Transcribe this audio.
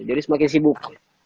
jadi semakin sibuk